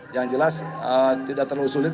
yang jelas tidak terlalu sulit